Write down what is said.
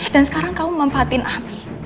dan sekarang kamu memanfaatin abi